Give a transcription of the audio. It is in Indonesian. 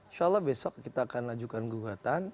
insya allah besok kita akan ajukan gugatan